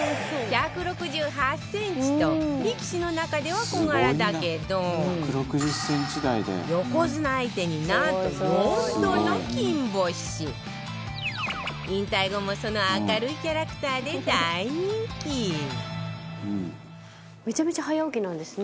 １６８ｃｍと力士の中では小柄だけど横綱相手になんと、４度の金星引退後も、その明るいキャラクターで大人気藤本：めちゃめちゃ早起きなんですね。